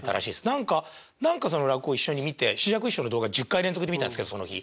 何か何かその落語を一緒に見て枝雀師匠の動画１０回連続で見たんですけどその日。